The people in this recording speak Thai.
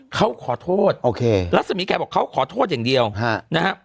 เขาขอโทษลักษมีแขวบอกเขาขอโทษอย่างเดียวนะฮะ